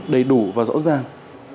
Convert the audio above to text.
đầy đủ và rõ ràng